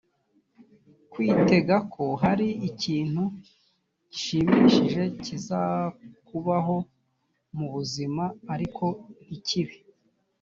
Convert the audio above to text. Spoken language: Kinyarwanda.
kwitega ko hari ikintu gishimishije kizakubaho mu buzima ariko ntikibe